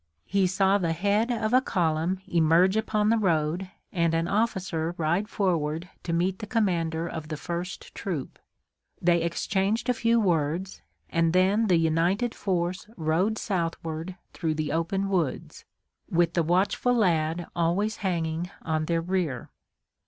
He saw the head of a column emerge upon the road and an officer ride forward to meet the commander of the first troop. They exchanged a few words and then the united force rode southward through the open woods, with the watchful lad always hanging on their rear.